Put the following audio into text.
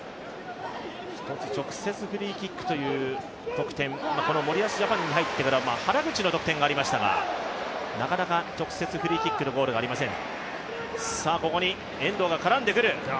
直接フリーキックという得点森保ジャパンに入ってから原口の得点がありましたがなかなか直接のフリーキックのゴールがありません。